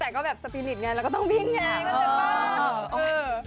แต่ก็แบบสปีนิตเนี่ยเราก็ต้องวิ่งเนี่ยน่าจะเปิ้ล